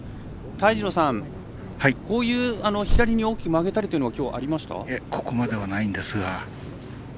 泰二郎さん、こういう左に大きく曲げたりというのはここまではないんですが。